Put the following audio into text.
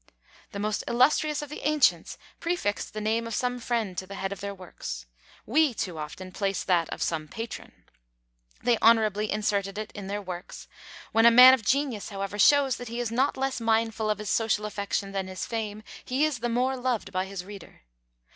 The most illustrious of the ancients prefixed the name of some friend to the head of their works. We too often place that of some patron. They honourably inserted it in their works. When a man of genius, however, shows that he is not less mindful of his social affection than his fame, he is the more loved by his reader.